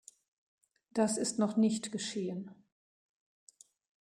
Das ist noch nicht geschehen.